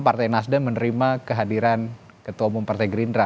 partai nasdem menerima kehadiran ketua umum partai gerindra